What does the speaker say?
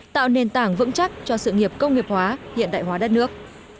tạo nền tảng vững chắc cho sự nghiệp công nghiệp hóa hiện đại hóa đất nước